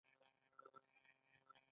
آیا دا شراب له کنګل انګورو نه جوړیږي؟